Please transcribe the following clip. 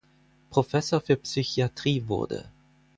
Professor für Psychiatrie wurde.